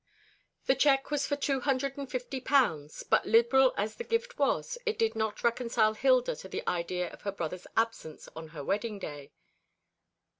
The cheque was for two hundred and fifty pounds; but liberal as the gift was, it did not reconcile Hilda to the idea of her brother's absence on her wedding day.